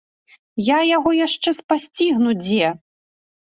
Я яшчэ яго спасцігну дзе!